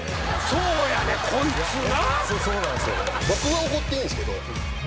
そうやねんこいつな。